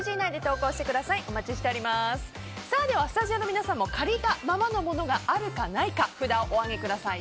ではスタジオの皆さんも借りたままのものがあるか、ないか札をお上げください。